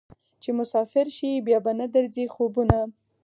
چې مسافر شې بیا به نه درځي خوبونه